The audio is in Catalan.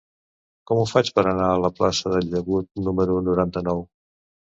Com ho faig per anar a la plaça del Llagut número noranta-nou?